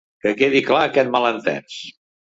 Que quedi clar aquest malentès.